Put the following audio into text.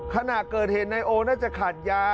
ขณะเกิดเหตุนายโอน่าจะขาดยา